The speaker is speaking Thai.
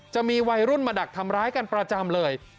จะมีวัยรุ่นมาดักทำร้ายกันประจำเลย